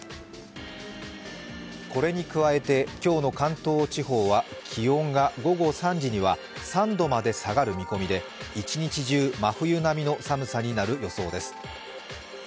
これに加えて今日の関東地方は気温が午後３時には３度まで下がる見込みで、一日中真冬並みの寒さになる見込みです。